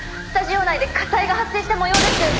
スタジオ内で火災が発生した模様です」